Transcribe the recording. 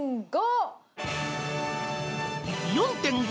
４．５。